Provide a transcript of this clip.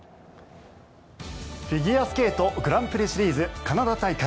フィギュアスケートグランプリシリーズカナダ大会。